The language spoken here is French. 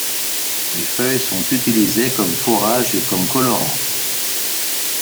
Les feuilles sont utilisées comme fourrage et comme colorant.